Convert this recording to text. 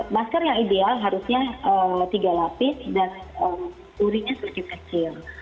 masker yang ideal harusnya tiga lapis dan urinya cukup kecil